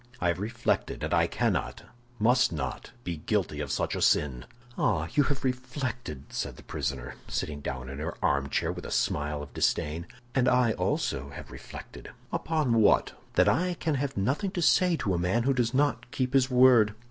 I have reflected, and I cannot, must not be guilty of such a sin." "Ah, you have reflected!" said the prisoner, sitting down in her armchair, with a smile of disdain; "and I also have reflected." "Upon what?" "That I can have nothing to say to a man who does not keep his word."